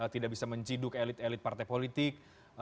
tidak bisa menciduk elit elit partai politik